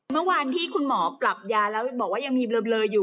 เมื่อวานที่คุณหมอปรับยาแล้วบอกว่ายังมีเบลออยู่